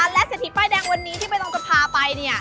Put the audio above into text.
และเศรษฐีป้ายแดงวันนี้ที่ไม่ต้องจะพาไปเนี่ย